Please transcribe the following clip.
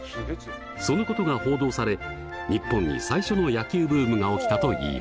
そのことが報道され日本に最初の野球ブームが起きたといいます。